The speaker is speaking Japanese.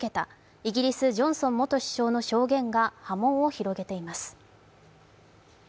イギリス・ジョンソン元首相の証言が波紋を広げています。